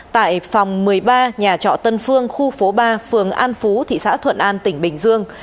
tại phòng một mươi ba nhà trọ tân phương khu phố ba phường an phú thị xã thuận an tỉnh bình dương